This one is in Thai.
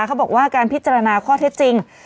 เขาบอกว่าการพิจารณาข้อเท็จจริง